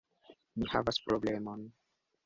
Mi havas problemon!